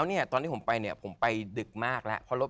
ชุดเดรส